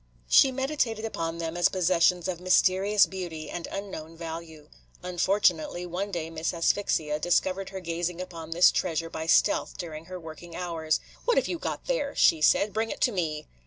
She meditated upon them as possessions of mysterious beauty and unknown value. Unfortunately, one day Miss Asphyxia discovered her gazing upon this treasure by stealth during her working hours. "What have you got there?" she said. "Bring it to me."